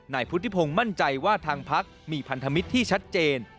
นายพุทธิพงศ์มั่นใจว่าทางพักมีพันธมิตรที่ชัดเจน